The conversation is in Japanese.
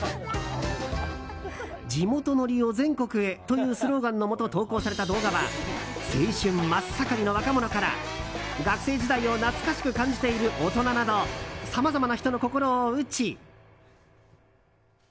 「地元ノリを全国へ」というスローガンのもと投稿された動画は青春真っ盛りの若者から学生時代を懐かしく感じている大人などさまざまな人の心を打ち。